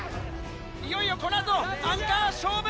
いよいよこの後アンカー勝負！